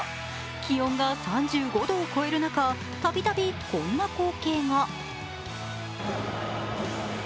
気温が３５度を超える中たびたびこんな光景が。